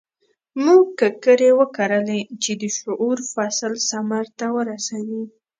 موږ ککرې وکرلې چې د شعور فصل ثمر ته ورسوي.